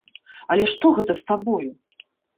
Але што гэта з табою?